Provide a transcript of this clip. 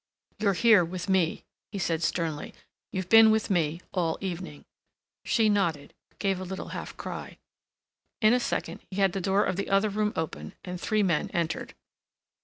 "You're here with me," he said sternly. "You've been with me all evening." She nodded, gave a little half cry. In a second he had the door of the other room open and three men entered.